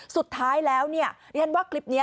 สุดท้ายแล้วนี่ท่านว่ากลิปนี้